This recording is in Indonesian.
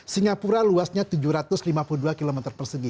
singapura luasnya tujuh ratus lima puluh dua km persegi